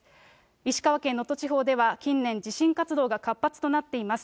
石川県能登地方では近年地震活動が活発となっています。